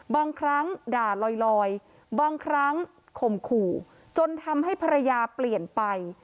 บางครั้งด่าลอยบางครั้งข่มขู่จนทำให้ภรรยาเปลี่ยนไป